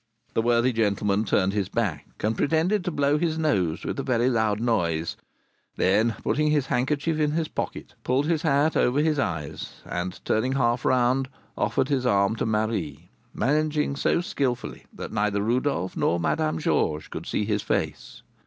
The worthy gentleman turned his back, and pretended to blow his nose with a very loud noise, then put his handkerchief in his pocket, pulled his hat over his eyes, and, turning half around, offered his arm to Marie, managing so skilfully that neither Rodolph nor Madame Georges could see his face.